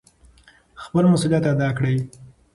خپل مسؤلیت ادا کړئ.